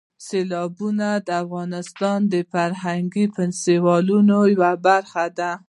سیلابونه د افغانستان د فرهنګي فستیوالونو یوه برخه ده.